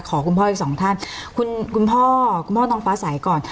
คุณพ่ออีกสองท่านคุณพ่อคุณพ่อน้องฟ้าใสก่อน